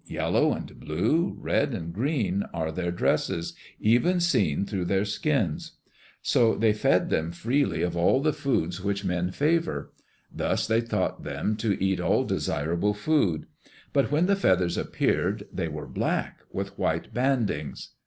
"Yellow and blue, red and green, are their dresses, even seen through their skins." So they fed them freely of all the foods which men favor. Thus they taught them to eat all desirable food. But when the feathers appeared, they were black with white bandings.